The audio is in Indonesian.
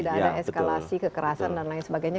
tidak ada eskalasi kekerasan dan lain sebagainya